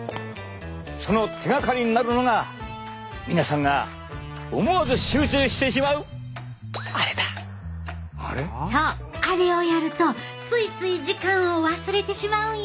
その手がかりになるのが皆さんがそうあれをやるとついつい時間を忘れてしまうんよね。